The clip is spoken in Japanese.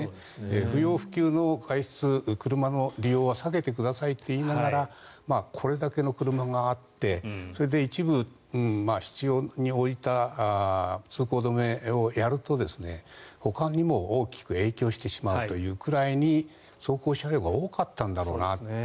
不要不急の外出車の利用は避けてくださいと言いながらこれだけの車があって一部、必要に応じた通行止めをやるとほかにも大きく影響してしまうというくらいに走行車両が多かったんだろうなと。